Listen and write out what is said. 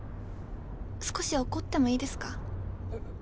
少し怒ってもいいですか？